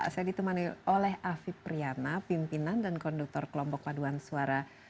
saya ditemani oleh afib priyana pimpinan dan konduktor kelompok paduan suara